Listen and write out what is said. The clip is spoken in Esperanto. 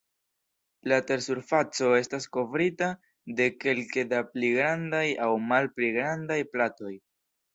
La tersurfaco estas kovrita de kelke da pli grandaj aŭ malpli grandaj platoj.